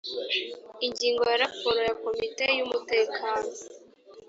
ingingo ya raporo ya komite y umutekano